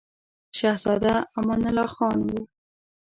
شهزاده امان الله خان وو.